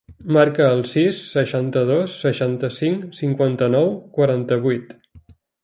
Marca el sis, seixanta-dos, seixanta-cinc, cinquanta-nou, quaranta-vuit.